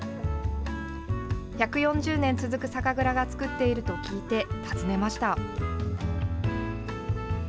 １４０年続く酒蔵が造っていると聞いて訪ねました。